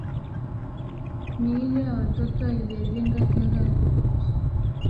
miili ya watoto haijajenga kinga ya kutosha